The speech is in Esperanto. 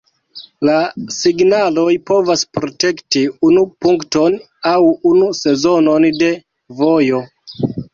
La signaloj povas protekti unu punkton aŭ unu sezonon de vojo.